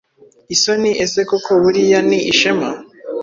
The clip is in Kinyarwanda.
Isoni ese koko buriya ni ishema.